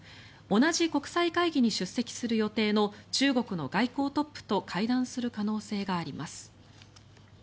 同じ国際会議に出席する予定の中国の外交トップと会談する可能性があります。